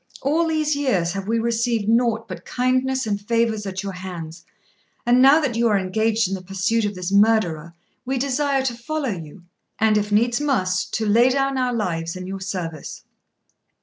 All these years have we received nought but kindness and favours at your hands; and now that you are engaged in the pursuit of this murderer, we desire to follow you, and, if needs must, to lay down our lives in your service.